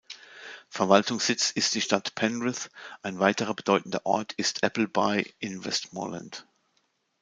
Verwaltungssitz ist die Stadt Penrith; ein weiterer bedeutender Ort ist Appleby-in-Westmorland.